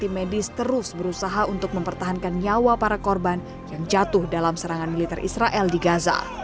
tim medis terus berusaha untuk mempertahankan nyawa para korban yang jatuh dalam serangan militer israel di gaza